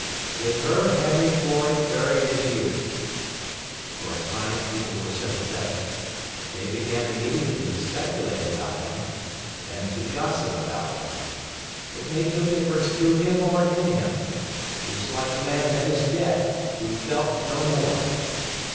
With her Henry Floyd buried his youth. For a time people were sympathetic; but they began immediately to speculate about him, then to gossip about him. It made no difference to him or in him. He was like a man that is dead, who felt no more.